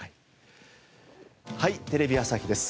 『はい！テレビ朝日です』